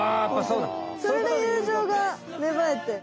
それで友情がめばえて。